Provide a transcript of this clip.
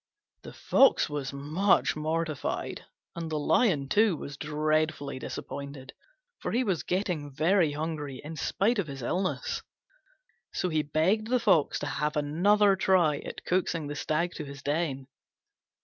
The Fox was much mortified, and the Lion, too, was dreadfully disappointed, for he was getting very hungry in spite of his illness. So he begged the Fox to have another try at coaxing the Stag to his den.